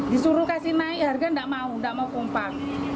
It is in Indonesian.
disuruh kasih naik harga tidak mau tidak mau kompak